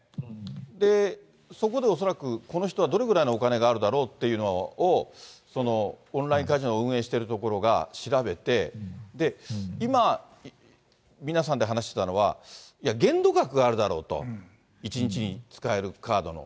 で、そこで恐らく、この人はどれぐらいのお金があるだろうっていうのを、オンラインカジノを運営している所が調べて、今、皆さんで話してたのは、いや、限度額があるだろうと、１日に使えるカードの。